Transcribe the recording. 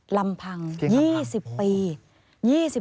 ลำพัง๒๐ปี